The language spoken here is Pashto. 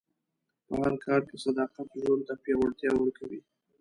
په هر کار کې صداقت ژوند ته پیاوړتیا ورکوي.